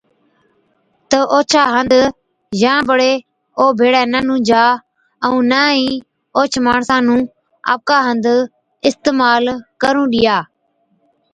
تہ اوڇا هنڌ يان بڙي او ڀيڙَي نہ نُونجھا ائُون نہ ئِي اوهچ ماڻسا نُون آپڪا هنڌ اِستعمال ڪرُون ڏِيا۔